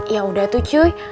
ya udah tuh cuy